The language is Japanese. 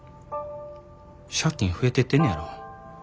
借金増えてってんねやろ。